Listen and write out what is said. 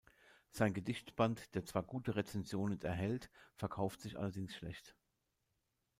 Sein Gedichtband, der zwar gute Rezensionen erhält, verkauft sich allerdings schlecht.